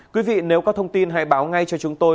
quý vị nếu có thông tin hãy báo ngay cho chúng tôi